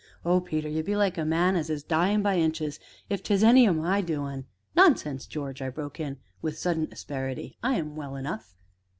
Oh, Peter! you be like a man as is dyin' by inches if 'tis any o' my doin' " "Nonsense, George!" I broke in with sudden asperity, "I am well enough!"